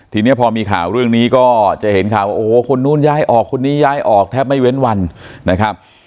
ทีนี้พอมีข่าวเรื่องนี้ก็จะเห็นข่าวว่าโอ้โหคนนู้นย้ายออกคนนี้ย้ายออกแทบไม่เว้นวันนะครับ